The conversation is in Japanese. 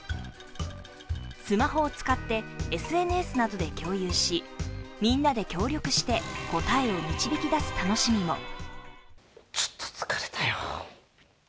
スマホを使ってＳＮＳなどで共有しみんなで協力して答えを導き出す楽しみも。